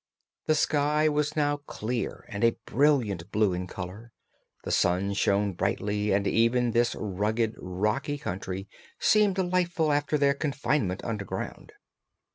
The sky was now clear and a brilliant blue in color; the sun shone brightly and even this rugged, rocky country seemed delightful after their confinement underground.